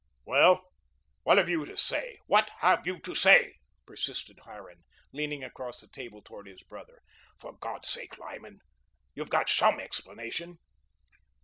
"Well, what have you to say? What have you to say?" persisted Harran, leaning across the table toward his brother. "For God's sake, Lyman, you've got SOME explanation."